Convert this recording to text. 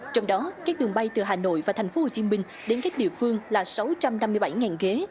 trong đó các đường bay từ hà nội và tp hcm đến các địa phương là sáu trăm năm mươi bảy ghế